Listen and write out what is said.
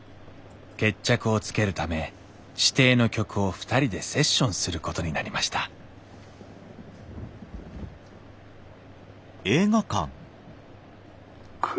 決着をつけるため指定の曲を２人でセッションすることになりました「暗闇でしか見えぬものがある。